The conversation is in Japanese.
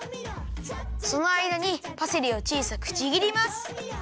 そのあいだにパセリをちいさくちぎります。